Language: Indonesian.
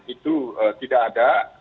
itu tidak ada